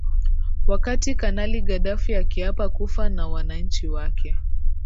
wakati kanali gaddafi akiapa kufa na wananchi wake